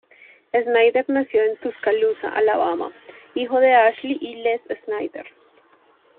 Snyder nació en Tuscaloosa, Alabama, hijo de Ashley y Les Snyder.